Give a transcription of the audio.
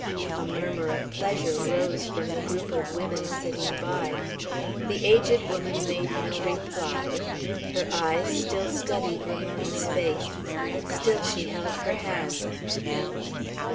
A murmur of pleasure rose from the group of women sitting by. The aged woman made no reply; her eyes still studied Ramona's face, and she still held her hand.